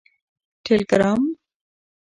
ټیلیګرام